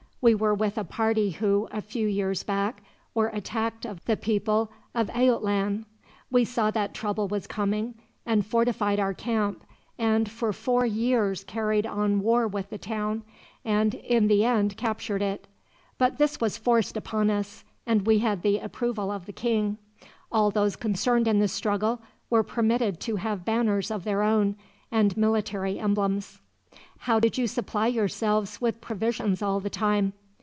We were with a party who, a few years back, were attacked of the people of Ayotlan. We saw that trouble was coming, and fortified our camp; and for four years carried on war with the town, and in the end captured it. But this was forced upon us, and we had the approval of the king. All those concerned in the struggle were permitted to have banners of their own, and military emblems." "How did you supply yourselves with provisions all the time?"